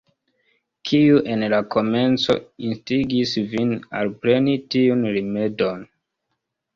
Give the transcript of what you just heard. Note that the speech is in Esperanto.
Kiu, en la komenco, instigis vin alpreni tiun rimedon?